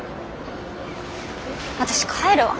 私帰るわ。